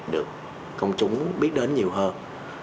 được công chúng biết đến nhiều hơn